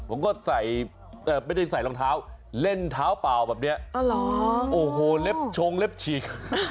ผมก็ใส่ไม่ได้ใส่รองเท้าเล่นเท้าเปล่าแบบนี้โอ้โหเล็บชงเล็บฉีก